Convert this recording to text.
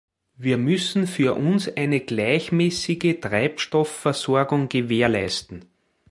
Wir müssen für uns eine gleichmäßige Treibstoffversorgung gewährleisten.